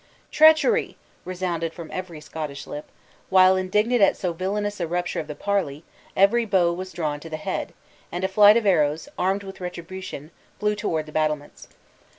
"Treachery!" resounded from every Scottish lip; while indignant at so villainous a rupture of the parley, every bow was drawn to the head; and a flight of arrows, armed with retribution, flew toward the battlements.